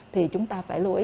thì chúng ta phải lưu ý